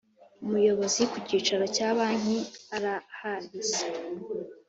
Umuyobozi ku cyicaro cya Banki araharise